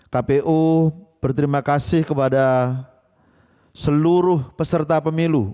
kpu berterima kasih kepada seluruh peserta pemilu